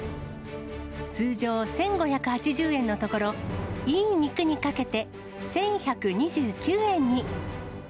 通常１５８０円のところ、いい肉にかけて、１１２９円に。